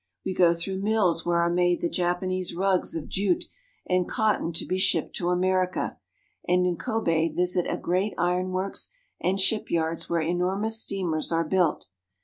We go through mills where are made the Jap anese rugs of jute and cotton to be shipped to America, and in Kobe visit a great ironworks and shipyards where enormous steamers are built.